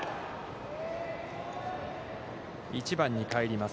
１番にかえります、